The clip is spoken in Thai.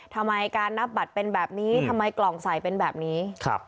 ทำไมการนับบัตรเป็นแบบนี้ทำไมกล่องใส่เป็นแบบนี้